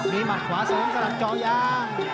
มีมัดขวาเสียงสำหรับจองยาง